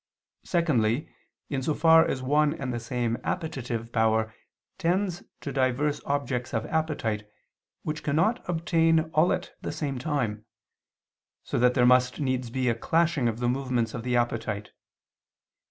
Secondly, in so far as one and the same appetitive power tends to diverse objects of appetite, which it cannot obtain all at the same time: so that there must needs be a clashing of the movements of the appetite.